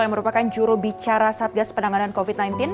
yang merupakan jurubicara satgas penanganan covid sembilan belas